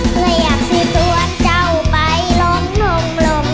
เฟยักศีรถวดเจ้าไปลมลง